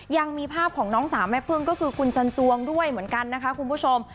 ยังมีภาพของน้องสาวแม่พึ่งก็คือคุณจันจวงด้วยเหมือนกันนะคะคุณผู้ชม